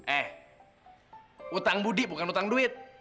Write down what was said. eh utang budi bukan utang duit